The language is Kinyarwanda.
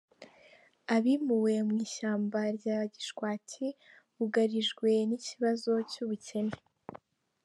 Abimuwe mu ishyamba rya Gishwati bugarijwe n’ikibazo cy’ubukene